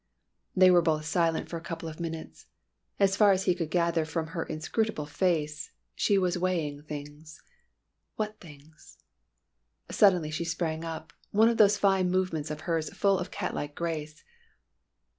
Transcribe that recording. They were both silent for a couple of minutes. As far as he could gather from her inscrutable face, she was weighing things what things? Suddenly she sprang up, one of those fine movements of hers full of cat like grace.